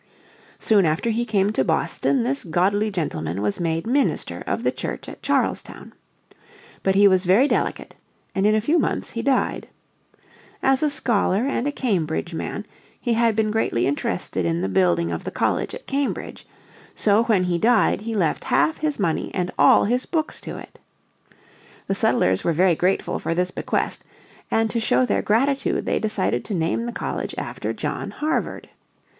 Soon after he came to Boston this godly gentleman was made minister of the church at Charlestown. But he was very delicate and in a few months he died. As a scholar and a Cambridge man he had been greatly interested in the building of the college at Cambridge. So when he died he left half his money and all his books to it. The settlers were very grateful for this bequest, and to show their gratitude they decided to name the college after John Harvard.